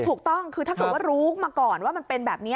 ถูกต้องคือถ้าเกิดว่ารู้มาก่อนว่ามันเป็นแบบนี้